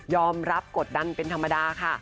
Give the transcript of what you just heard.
รับกดดันเป็นธรรมดาค่ะ